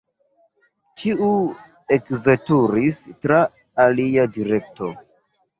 Ĉiu ekveturis tra alia direkto.